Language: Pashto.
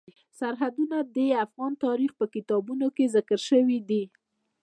سرحدونه د افغان تاریخ په کتابونو کې ذکر شوی دي.